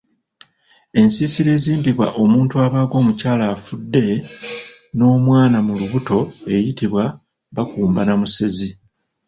Ensiisira ezimbibwa omuntu abaaga omukyala afudde n’omwana mu lubuto eyitibwa Bakumbanamusezi.